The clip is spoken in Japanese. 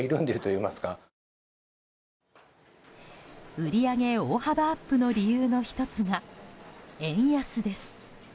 売り上げ大幅アップの理由の１つが円安です。